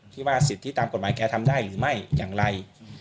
ที่ว่าสิทธิตามกฎหมายแกทำได้หรือไม่อย่างไร